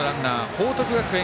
報徳学園